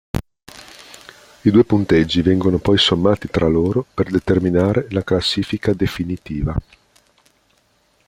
I due punteggi vengono poi sommati tra loro per determinare la classifica definitiva.